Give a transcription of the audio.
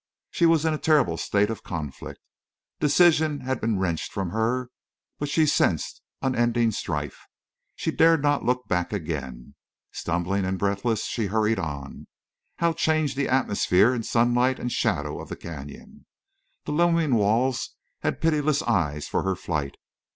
She was in a terrible state of conflict. Decision had been wrenched from her, but she sensed unending strife. She dared not look back again. Stumbling and breathless, she hurried on. How changed the atmosphere and sunlight and shadow of the canyon! The looming walls had pitiless eyes for her flight.